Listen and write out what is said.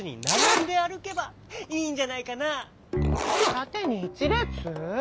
たてに１れつ？